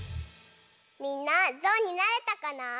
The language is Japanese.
みんなぞうになれたかな？